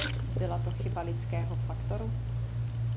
Byla to chyba lidského faktoru?